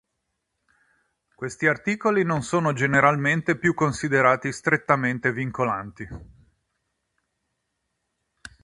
Questi articoli non sono generalmente più considerati strettamente vincolanti.